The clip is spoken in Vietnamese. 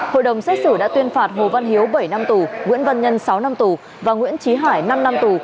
hội đồng xét xử đã tuyên phạt hồ văn hiếu bảy năm tù nguyễn văn nhân sáu năm tù và nguyễn trí hải năm năm tù